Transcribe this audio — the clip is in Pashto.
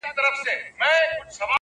قاضي صاحبه ملامت نه یم بچي وږي وه؛